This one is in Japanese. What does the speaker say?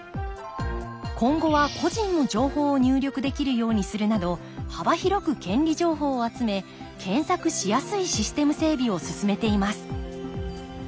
今後は個人の情報を入力できるようにするなど幅広く権利情報を集め検索しやすいシステム整備を進めています